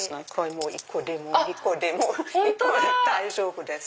１個でも２個でも大丈夫です。